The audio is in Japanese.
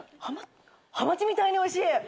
ハマハマチみたいにおいしい。